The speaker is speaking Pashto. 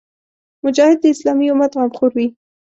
مجاهد د اسلامي امت غمخور وي.